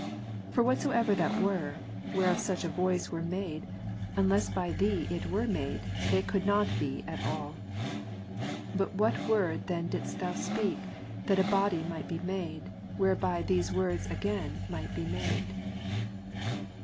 For whatsoever that were, whereof such a voice were made, unless by Thee it were made, it could not be at all. By what Word then didst Thou speak, that a body might be made, whereby these words again might be made